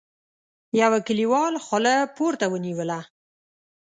يوه کليوال خوله پورته ونيوله: